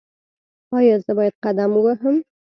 ایا زه باید قدم ووهم؟